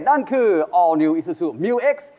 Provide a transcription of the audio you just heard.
และนั่นคืออัลนิวอิซุสู้มิลเอส